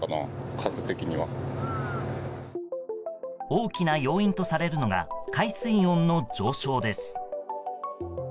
大きな要因とされるのが海水温の上昇です。